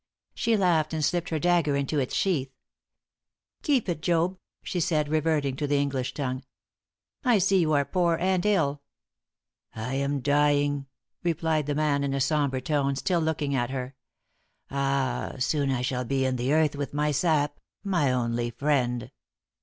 She laughed, and slipped her dagger into its sheath. "Keep it, Job," she said, reverting to the English tongue. "I see you are poor and ill." "I am dying," replied the man in a sombre tone, still looking at her. "Ah, soon I shall be in the earth with my sap my only friend."